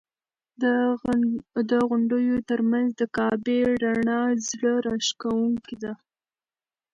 د غونډیو تر منځ د کعبې رڼا زړه راښکونکې ده.